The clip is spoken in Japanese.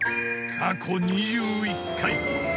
［過去２１回。